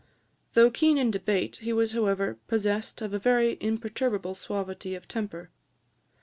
Though keen in debate, he was however possessed of a most imperturbable suavity of temper.